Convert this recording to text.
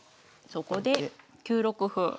そこで９六歩。